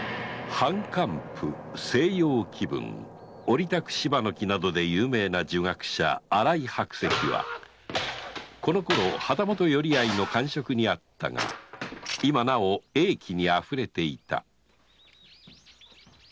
「藩翰譜」「西洋紀聞」「折たく柴の記」などで有名な儒学者・新井白石はこのころ旗本寄合の閑職にあったが今なお英気にあふれていた